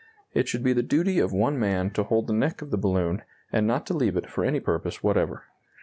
It should be the duty of one man to hold the neck of the balloon, and not to leave it for any purpose whatever.